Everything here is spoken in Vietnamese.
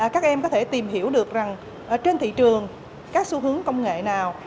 các em có thể tìm hiểu được rằng trên thị trường các xu hướng công nghệ nào